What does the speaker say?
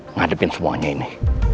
ngadepin semuanya ini